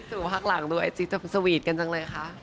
สู่หักหลังด้วยสวีทกันจังเลยค่ะ